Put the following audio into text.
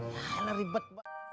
ya lah ribet